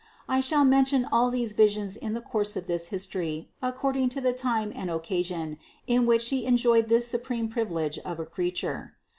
I shall mention all these visions in the course of this history according to the time and occasion in which She enjoyed this supreme privilege of a creature.